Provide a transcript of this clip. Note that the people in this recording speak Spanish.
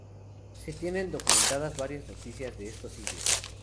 Se tienen documentadas varias noticias de estos siglos.